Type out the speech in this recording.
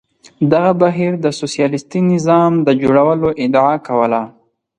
دغه بهیر د سوسیالیستي نظام د جوړولو ادعا کوله.